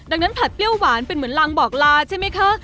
ดังนั้นผัดเปรี้ยวหวานเป็นเหมือนรังบอกลาใช่ไหมคะ